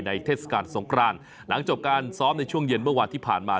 เทศกาลสงครานหลังจบการซ้อมในช่วงเย็นเมื่อวานที่ผ่านมา